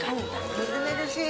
みずみずしい。